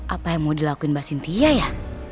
apa yang mau dilakuin mbak cynthia ya